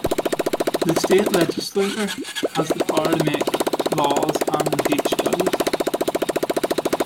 The state legislature has the power to make laws and impeach judges.